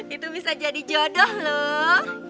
itu bisa jadi jodoh loh